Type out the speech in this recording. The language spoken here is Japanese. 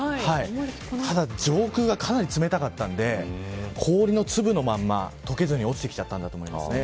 ただ上空がかなり冷たかったので氷の粒のまま解けずに落ちてきちゃったんだと思います。